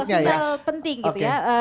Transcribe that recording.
artinya itu sinyal penting gitu ya